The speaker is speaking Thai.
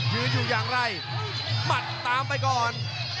ยืนอยู่อย่างไรหมัดตามไปก่อน